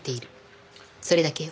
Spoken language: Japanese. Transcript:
それだけよ。